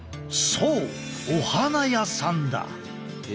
そうお花屋さんだ。